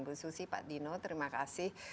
bu susi pak dino terima kasih